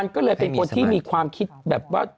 ก็เลยเป็นคนที่มีความคิดแบบว่า